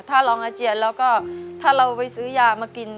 ถ้าลองอาเจียนแล้วก็ถ้าเราไปซื้อยามากิน